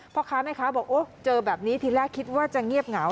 พ่อค้าแม่ค้าบอกโอ้เจอแบบนี้ทีแรกคิดว่าจะเงียบเหงา